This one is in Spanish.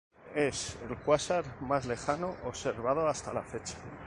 Es el cuásar más lejano observado hasta la fecha.